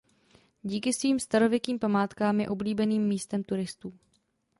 Díky svým starověkým památkám je oblíbeným místem turistů.